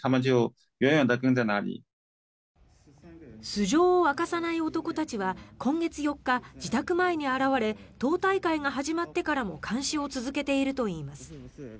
素性を明かさない男たちは今月４日自宅前に現れ党大会が始まってからも監視を続けているといいます。